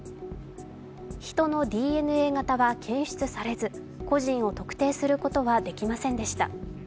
ヒトのＤＮＡ型は検出されず、個人を特定することはできませんでした。